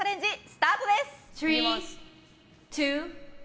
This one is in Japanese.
スタートです！